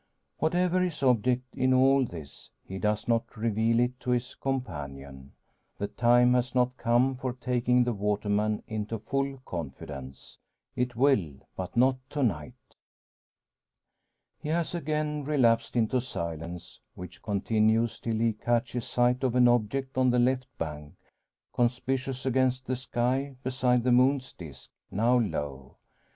Whatever his object in all this, he does not reveal it to his companion. The time has not come for taking the waterman into full confidence. It will, but not to night. He has again relapsed into silence, which continues till he catches sight of an object on the left bank, conspicuous against the sky, beside the moon's disc, now low.